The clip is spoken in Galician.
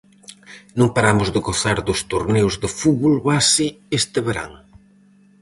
Non paramos de gozar dos torneos de fútbol base este verán.